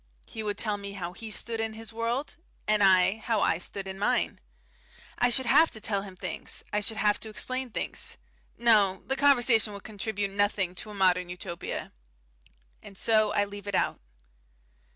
He would tell me how he stood in his world, and I how I stood in mine. I should have to tell him things, I should have to explain things . No, the conversation would contribute nothing to a modern Utopia. And so I leave it out.